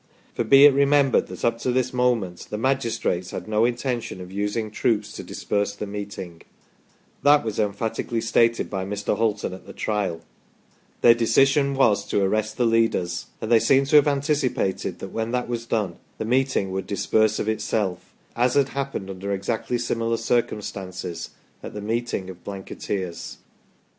For be it re membered that up to this moment the magistrates had no intention of using troops to disperse the meeting that was emphatically stated by Mr. Hulton at the Trial their decision was to arrest the leaders, and they seem to have anticipated that when that was done, the meeting would disperse of itself, as had happened under exactly similar cir cumstances at the meeting of Blanketeers.